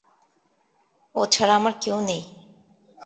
ও ছাড়া আমার কেউ নেই।